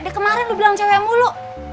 dari kemarin lo bilang cewek mulu